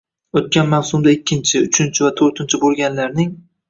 O‘tgan mavsumda ikkinchi, uchinchi va to‘rtinchi bo‘lganlarning